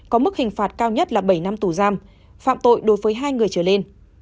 có mức hình phạt cao nhất là bảy năm tù giam phạm tội đối với hai người trở lên